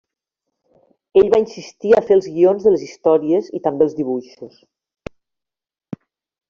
Ell va insistir a fer els guions de les històries i també els dibuixos.